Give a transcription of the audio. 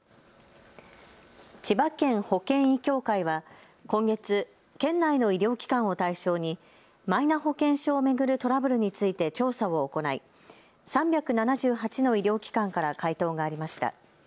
千葉県保険医協会は今月、県内の医療機関を対象にマイナ保険証を巡るトラブルについて調査を行い３７８の医療機関から回答がありました。